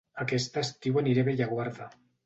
Aquest estiu aniré a Bellaguarda